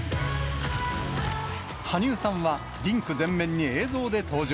羽生さんは、リンク全面に映像で登場。